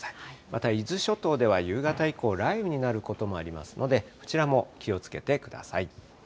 また伊豆諸島では夕方以降、雷雨になることもありますので、こちらも気をつけてください。